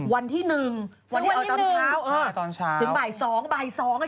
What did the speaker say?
วันที่๑ใช่ตอนเช้าอ่ะถึงบ่าย๒บ่าย๒